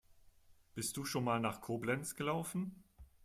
Bist du schon mal nach Koblenz gelaufen?